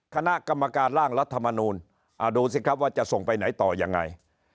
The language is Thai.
คณะกรรมการร่างรัฐมนูลดูสิครับว่าจะส่งไปไหนต่อยังไง